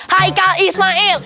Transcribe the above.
hai kak ismail